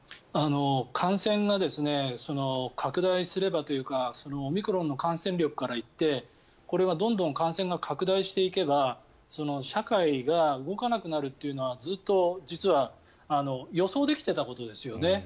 感染が拡大すればというかオミクロンの感染力からいってこれはどんどん感染が拡大していけば社会が動かなくなるというのはずっと実は予想できてたことですよね。